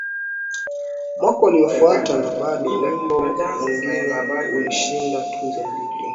Mwaka uliofuata na bado wimbo mwingine ulishinda tuzo mbili